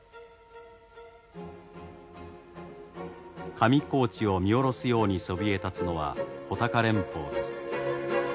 上高地を見下ろすようにそびえ立つのは穂高連峰です。